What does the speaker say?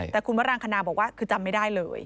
แต่คุณวรังคณาบอกว่าคือจำไม่ได้เลย